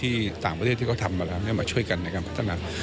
ต่างประเทศที่เขาทำมาแล้วมาช่วยกันในการพัฒนา